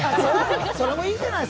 それもいいじゃない！